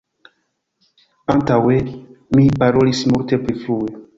Antaŭe mi parolis multe pli flue.